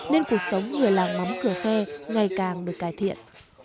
nên cuộc sống người làng mắm cửa khe ngày càng được cải thiện